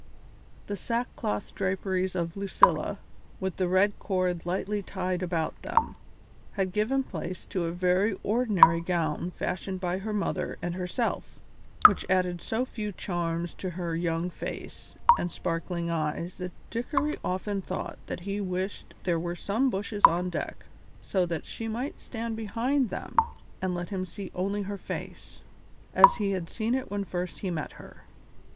The sackcloth draperies of Lucilla, with the red cord lightly tied about them, had given place to a very ordinary gown fashioned by her mother and herself, which added so few charms to her young face and sparkling eyes that Dickory often thought that he wished there were some bushes on deck so that she might stand behind them and let him see only her face, as he had seen it when first he met her.